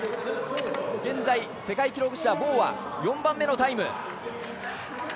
現在、世界記録保持者のボウは４番目のタイム。